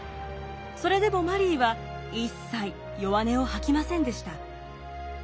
それでもマリーは一切弱音を吐きませんでした。